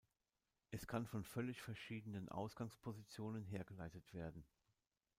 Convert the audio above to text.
Es kann von völlig verschiedenen Ausgangspositionen hergeleitet werden.